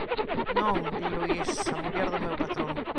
Non –di Luís–, a muller do meu patrón.